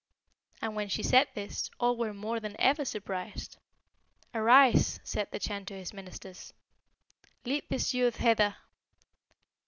"And when she said this, all were more than ever surprised. 'Arise!' said the Chan to his ministers, 'lead this youth hither.'